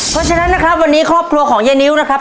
เพราะฉะนั้นนะครับวันนี้ครอบครัวของยายนิ้วนะครับ